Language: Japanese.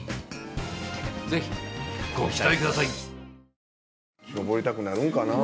ぜひ、ご期待ください！